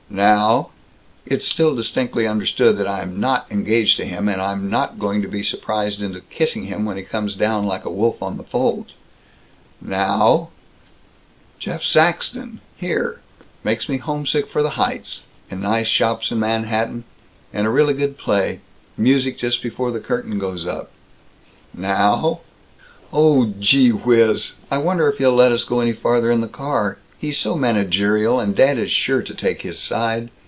Now: "It's still distinctly understood that I am not engaged to him, and I'm not going to be surprised into kissing him when he comes down like a wolf on the fold." Now: "Jeff Saxton! Here! Makes me homesick for the Heights. And nice shops in Manhattan, and a really good play music just before the curtain goes up." Now: "Ohhhhhh geeeeee whizzzzzz! I wonder if he'll let us go any farther in the car? He's so managerial, and dad is sure to take his side.